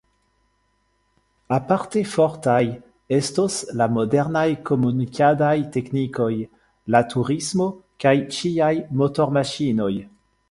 Aparte fortaj estos la modernaj komunikadaj teknikoj, la turismo kaj ĉiaj motormaŝinoj.